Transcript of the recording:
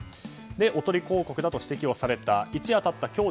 おとり広告だと指摘されて一夜経った今日